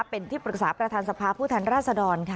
เป็นที่ปรึกษาประธานสภาพผู้ทันราชดร